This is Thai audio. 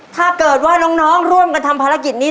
ถ้าเกิดว่าน้องร่วมกันทำภารกิจนี้